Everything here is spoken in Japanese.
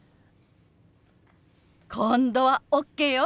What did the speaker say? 今度はＯＫよ！